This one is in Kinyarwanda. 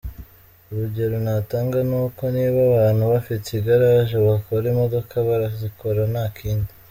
Urugero natanga ni uko niba abantu bafite igaraje bakora imodoka barazikora nta kindi.